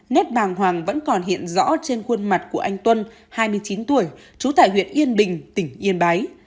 nét bàng hoàng vẫn còn hiện rõ trên khuôn mặt của anh tuân hai mươi chín tuổi trú tại huyện yên bình tỉnh yên bái